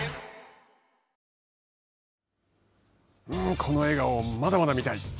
この笑顔をまだまだ見たい。